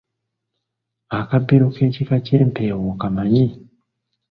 Akabbiro k’ekika ky’empeewo okamanyi?